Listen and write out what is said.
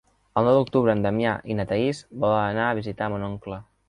El nou d'octubre en Damià i na Thaís volen anar a visitar mon oncle.